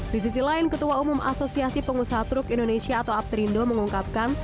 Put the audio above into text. di sisi lain ketua umum asosiasi pengusaha truk indonesia atau aptrindo mengungkapkan